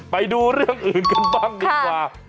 ไปดูเรื่องอื่นกันบ้างดีกว่า